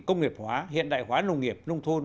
công nghiệp hóa hiện đại hóa nông nghiệp nông thôn